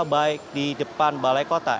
baik di depan balai kota